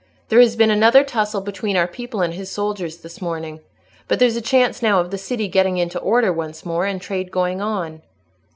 There has been another tussle between our people and his soldiers this morning. But there's a chance now of the city getting into order once more and trade going on."